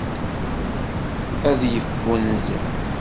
Ad yeffunzer.